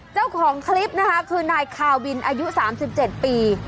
เจ้าของคลิปนะคะคือนายคาวบินอายุสามสิบเจ็ดปี